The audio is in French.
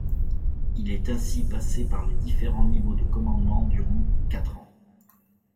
Il est ainsi passé par les différents niveau de commandement durant quatre ans.